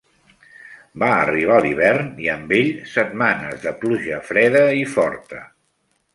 Va arribar l'hivern, i amb ell setmanes de pluja freda i forta.